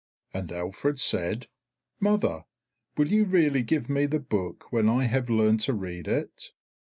And Alfred said, "Mother, will you really give me the book when I have learned to read it?"